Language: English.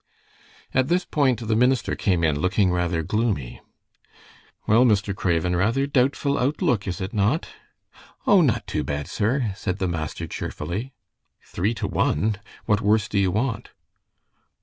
At this point the minister came in, looking rather gloomy. "Well, Mr. Craven, rather doubtful outlook, is it not?" "O, not too bad, sir," said the master, cheerfully. "Three to one. What worse do you want?"